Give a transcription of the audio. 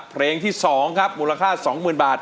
เพลงที่๒ครับมูลค่า๒๐๐๐บาท